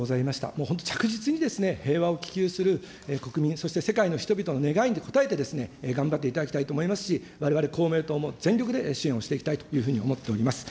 もう本当、着実に平和希求する国民、そして世界の人々の願いに応えて、頑張っていただきたいと思いますし、われわれ公明党も全力で支援していきたいと思っております。